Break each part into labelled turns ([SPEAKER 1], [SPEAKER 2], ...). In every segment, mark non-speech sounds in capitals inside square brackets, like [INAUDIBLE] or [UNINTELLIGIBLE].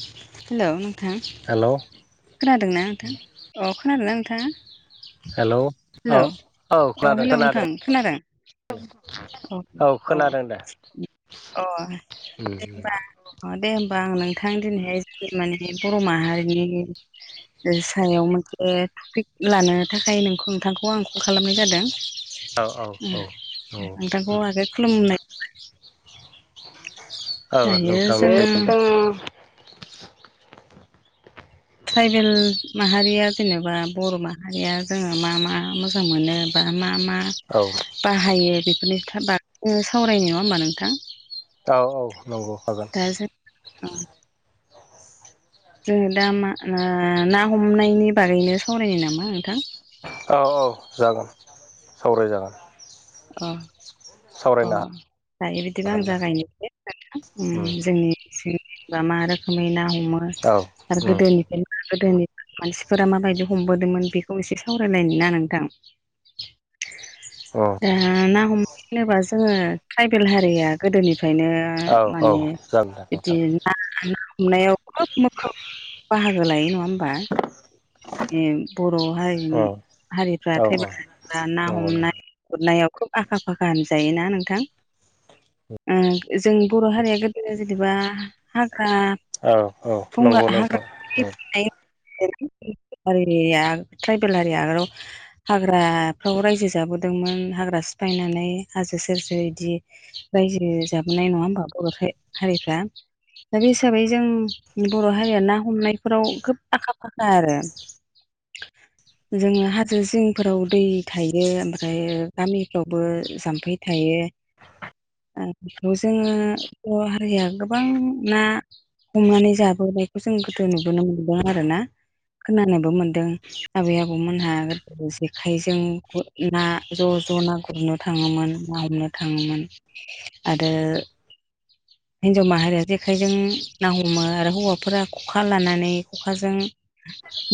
[SPEAKER 1] हेल' नोंथां।
[SPEAKER 2] हेलौ
[SPEAKER 1] खोनादोंना नोंथां अ खोनादोंना नोंथां
[SPEAKER 2] हेलौ औ
[SPEAKER 1] हेलौ
[SPEAKER 2] औ
[SPEAKER 1] अ
[SPEAKER 2] खोनादों
[SPEAKER 1] हेल'
[SPEAKER 2] खोनादों
[SPEAKER 1] नोंथां खोनादों? अ
[SPEAKER 2] औ
[SPEAKER 1] अ
[SPEAKER 2] खोनादों दे
[SPEAKER 1] अ
[SPEAKER 2] उम
[SPEAKER 1] जेनेबा अ दे होमबा आं नोंथां दिनैहाय माने बर' माहारिनि सायाव मोनसे टपिक लानो थाखाय नों नोंथांखौ आं कल खालामनाय जादों।
[SPEAKER 2] औ औ औ नंगौ
[SPEAKER 1] नोंथांखौ आगै खुलुमनाय
[SPEAKER 2] औ औ
[SPEAKER 1] दायो जोङो
[SPEAKER 2] नोंथां [UNINTELLIGIBLE]
[SPEAKER 1] ट्राइबेल माहारिया जेनेबा बर' माहारिया जोङो मा मा मोजां मोनो मा मा
[SPEAKER 2] औ
[SPEAKER 1] बाहायो बेफोरनि खोथा बा सावरायो नङा होमबा नोंथां।
[SPEAKER 2] औ औ नंगौ हागोन।
[SPEAKER 1] [UNINTELLIGIBLE] जोङो दा मा ना हमनायनि बागैनो सावरायनाय नामा नोंथां?
[SPEAKER 2] औ औ जागोन सावराय जागोन।
[SPEAKER 1] औ अ दायो बिदिबा
[SPEAKER 2] हागोन
[SPEAKER 1] आं
[SPEAKER 2] दे
[SPEAKER 1] जागायनोसै
[SPEAKER 2] उम
[SPEAKER 1] नोंथां जोंनि थिं बा मा रोखोमै ना हमो
[SPEAKER 2] औ
[SPEAKER 1] आरो
[SPEAKER 2] उम
[SPEAKER 1] गोदोनिफ्रायनो गोदोनि मानसिफोरा माबायदि हमबोदोंमोन बेखौ एसे सावरायलायनो ना नोंथां।
[SPEAKER 2] औ
[SPEAKER 1] दा ना हमनो होनोबा जोङो ट्राइबेल हारिया गोदोनिफ्रायनो
[SPEAKER 2] औ औ
[SPEAKER 1] माने
[SPEAKER 2] जागोन दे
[SPEAKER 1] बिदि
[SPEAKER 2] नोंथां
[SPEAKER 1] ना ना हमनायाव खोब मोखोब बाहागो लायो नङा होमबा बिदि बर' हारिनि
[SPEAKER 2] उम
[SPEAKER 1] हारिफ्रा
[SPEAKER 2] औ
[SPEAKER 1] ट्राइबेलफ्रा ना
[SPEAKER 2] नंगौ नोंथां
[SPEAKER 1] हमनाय गुरनायाव खोब आखा फाखा होनजायो ना नोंथां। ओ जों बर' हारिया गोदो जेनेबा हाग्रा
[SPEAKER 2] औ औ
[SPEAKER 1] बंग्रा
[SPEAKER 2] नंगौ
[SPEAKER 1] हाग्रा
[SPEAKER 2] नोंथां
[SPEAKER 1] [UNINTELLIGIBLE] ट्राइबेल हारिया आगोलाव हाग्राफ्राव रायजो जाबो दोंमोन हाग्रा सिफायनानै हाजो सेर सेर बिदि। रायजो जाबोनाय नङा होमबा बर' हारिफ्रा। दा बे हिसाबै जों बर' हारिया ना हमनायफोराव खोब आखा फाखा आरो। जोङो हाजो सिंफोराव दै थायो ओमफ्राय गामिफ्रावबो जाम्फै थायो। बेखौ जोङो बर' हारिया गोबां ना हमनानै जाबोनायखौ जों गोदो नुबोनो मोनदों आरो ना खोनानोबो मोनदों आबै आबौमोनहा जेखायजों ना ज' ज' ना गुरनो थाङोमोन ना हमनो थाङोमोन आरो हिन्जाव माहारिया जेखाइजों ना हमो आरो हौवाफोरा खखा लानानै खखाजों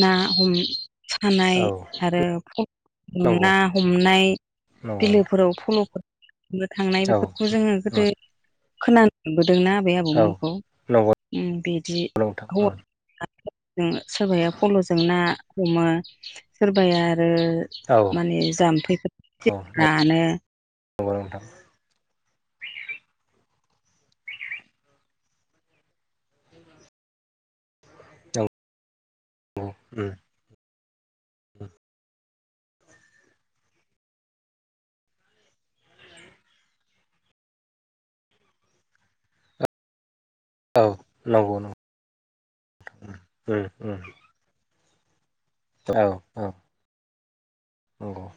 [SPEAKER 1] ना हम सानाय आरो ना हमनाय बिलोफोराव फल'फोर थांनाय बेफोरखौ जोङो गोदो खोनाबोदोंना आबै
[SPEAKER 2] औ
[SPEAKER 1] आबौमोनखौ
[SPEAKER 2] नंगौ
[SPEAKER 1] बिदि
[SPEAKER 2] नंगौ नोंथां
[SPEAKER 1] हौवा सोरबाया फल'जों ना हमो सोरबाया आरो
[SPEAKER 2] औ उम
[SPEAKER 1] माने जाम्फै
[SPEAKER 2] उम औ
[SPEAKER 1] [UNINTELLIGIBLE]
[SPEAKER 2] नंगौ नोंथां अ उम औ नंगौ नंगौ उम उम औ औ नंगौ